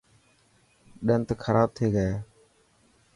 ڏنت خراب ٿي گيا.